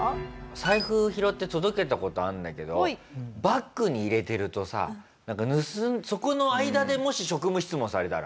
財布拾って届けた事あるんだけどバッグに入れてるとさなんかそこの間でもし職務質問されたら。